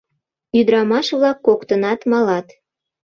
Ӱдрамаш-влак коктынат малат.